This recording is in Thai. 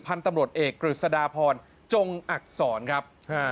พันธุ์ตำรวจเอกกฤษฎาพรจงอักษรครับ